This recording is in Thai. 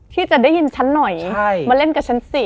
จะได้ยินฉันหน่อยมาเล่นกับฉันสิ